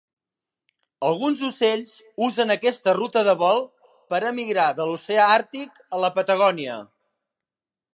Alguns ocells usen aquesta ruta de vol per a migrar de l'Oceà Àrtic a la Patagònia.